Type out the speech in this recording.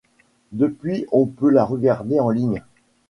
Depuis on peut la regarder en ligne.